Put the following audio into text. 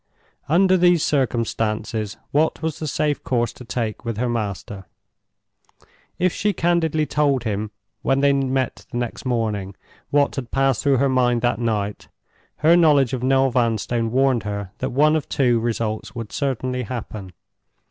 Under these circumstances, what was the safe course to take with her master? If she candidly told him, when they met the next morning, what had passed through her mind that night, her knowledge of Noel Vanstone warned her that one of two results would certainly happen.